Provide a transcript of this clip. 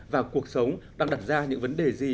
và cuộc sống đang đặt ra những vấn đề gì